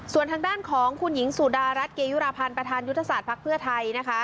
ส่วนทางด้านของคุณหญิงสุดารัฐเกยุราพันธ์ประธานยุทธศาสตร์ภักดิ์เพื่อไทยนะคะ